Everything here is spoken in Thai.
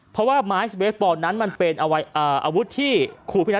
เพราะว่าไม้เบสบอลนั้นมันเป็นอาวุธที่ครูพินัท